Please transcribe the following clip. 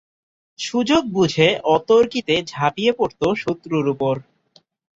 সুযোগ বুঝে অতর্কিতে ঝাঁপিয়ে পড়ত শত্রুর ওপর।